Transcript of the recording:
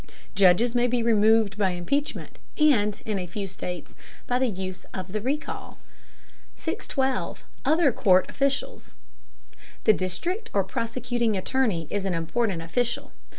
Judges may be removed by impeachment, and, in a few states, by use of the Recall. 612. OTHER COURT OFFICIALS. The district or prosecuting attorney is an important official.